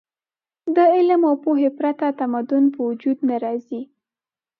د علم او پوهې پرته تمدن په وجود نه راځي.